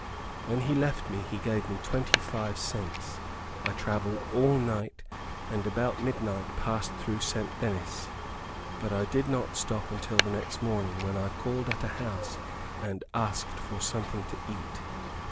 When, he left me he gave me twenty five cents. I travelled all night, and about midnight passed through St. Dennis, But I did not stop until the next morning, when I called at a house and asked for something to eat.